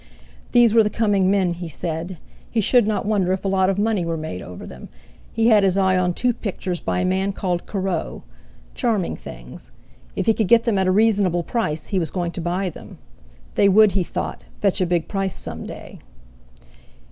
These were the coming men, he said; he should not wonder if a lot of money were made over them; he had his eye on two pictures by a man called Corot, charming things; if he could get them at a reasonable price he was going to buy them—they would, he thought, fetch a big price some day.